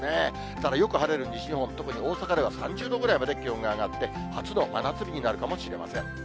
ただ、よく晴れる西日本、特に大阪では３０度ぐらいまで気温が上がって、初の真夏日になるかもしれません。